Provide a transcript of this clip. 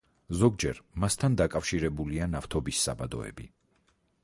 ზოგჯერ მასთან დაკავშირებულია ნავთობის საბადოები.